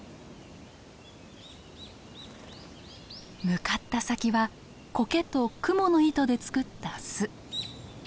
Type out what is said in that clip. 向かった先はコケとクモの糸で作った巣。